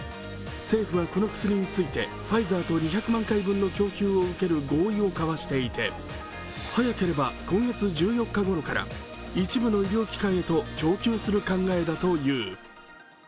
政府はこの薬について、ファイザーと２００万回分の供給を受ける合意を交わしていて早ければ今月１４日頃から一部の医療機関へと供給する考えだという。